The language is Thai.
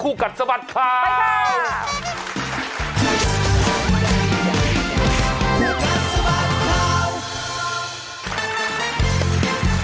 หุ้นกันสบัตคาร์ไปค่ะ